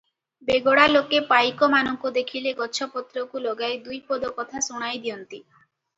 ବେଗଡ଼ା ଲୋକେ ପାଇକମାନଙ୍କୁ ଦେଖିଲେ ଗଛ ପତ୍ରକୁ ଲଗାଇ ଦୁଇପଦ କଥା ଶୁଣାଇଦିଅନ୍ତି ।